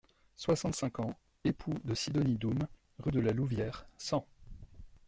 soixante-cinq ans, époux de Sidonie Doom, rue de la Louvière, cent.